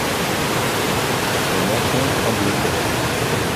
Son menton tremblotait.